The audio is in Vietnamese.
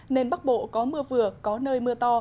nên bắc bộ có mưa vừa có nơi mưa to